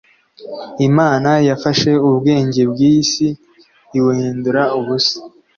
Imana yafashe ubwenge bw’iyi si ibuhindura ubusa,